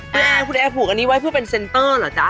คุณแอร์คุณแอร์ผูกอันนี้ไว้เพื่อเป็นเซ็นเตอร์เหรอจ๊ะ